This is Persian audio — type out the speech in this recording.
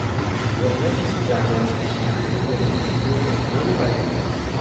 قدرتشان در واژگون کردن دموکراسی و کنترل بیان